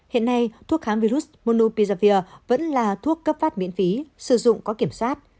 hiện nay thuốc kháng virus monopizavir vẫn là thuốc cấp phát miễn phí sử dụng có kiểm soát